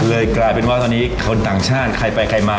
กลายเป็นว่าตอนนี้คนต่างชาติใครไปใครมา